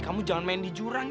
kamu jangan main di jurang